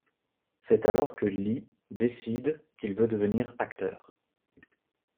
C'est alors que Lee décide qu'il veut devenir acteur.